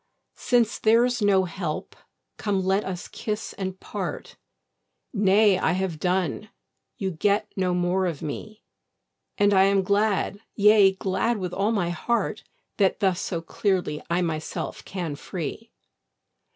Since there's no help, come let us kiss and part: Nay, I have done, you get no more of me; And I am glad, yea, glad with all my heart, That thus so clearly I myself can free.